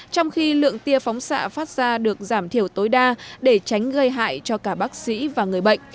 trong khi lượng tia phóng xạ phát ra được giảm thiểu tối đa để tránh gây hại cho cả bác sĩ và người bệnh